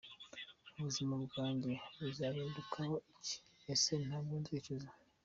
Ubuzima bwajye buzahindukaho iki? Ese ntabwo nzicuza?.